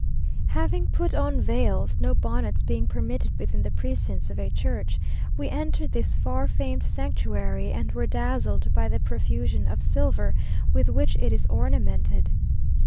Having put on veils, no bonnets being permitted within the precincts of a church, we entered this far famed sanctuary, and were dazzled by the profusion of silver with which it is ornamented.